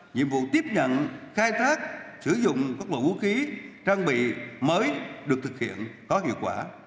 nhiệm vụ tiếp nhận khai thác sử dụng các loại vũ khí trang bị mới được thực hiện có hiệu quả